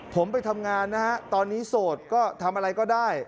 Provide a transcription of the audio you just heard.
ผมไปทำงานนะฮะตอนนี้โสดก็ทำอะไรก็ได้